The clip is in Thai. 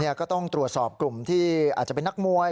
ก็ต้องตรวจสอบกลุ่มที่อาจจะเป็นนักมวย